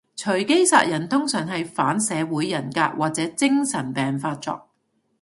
隨機殺人通常係反社會人格或者精神病發作